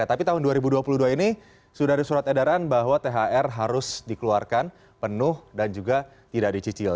tapi tahun dua ribu dua puluh dua ini sudah ada surat edaran bahwa thr harus dikeluarkan penuh dan juga tidak dicicil